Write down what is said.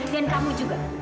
dan kamu juga